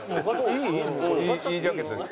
いいジャケットです。